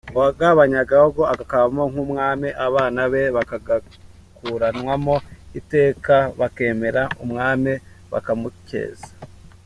Uwagabanye agahugu akakabamo nk’Umwami, abana be bakagakuranwamo iteka, bakemera Umwami bakamukeza.